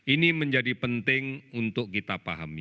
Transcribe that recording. ini menjadi penting untuk kita pahami